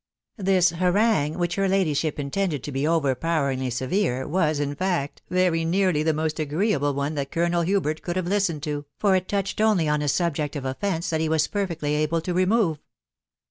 This harangue, which her ladyship intended to be overpower, ingly severe, was, in fact, very nearly the most agreeable one that Colonel Hubert could have listened to, for it touched only on a subject of offence that he was perfectly able to remove.